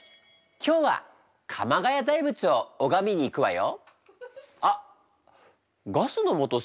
それでは鎌ケ谷大仏を拝みに行くわよ。